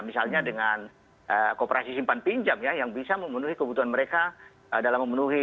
misalnya dengan kooperasi simpan pinjam ya yang bisa memenuhi kebutuhan mereka dalam memenuhi